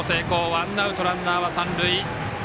ワンアウト、ランナーは三塁。